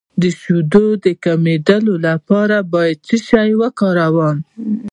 د شیدو د کمیدو لپاره باید څه شی وکاروم؟